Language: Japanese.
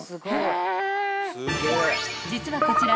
［実はこちら］